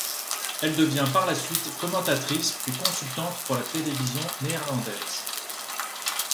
Elle devient par la suite commentatrice puis consultante pour la télévision néerlandaise.